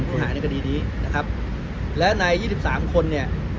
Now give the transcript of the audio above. หายในคดีนี้นะครับและในยี่สิบสามคนเนี่ย